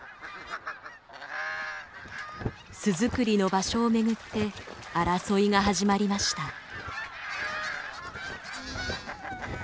巣作りの場所を巡って争いが始まりました。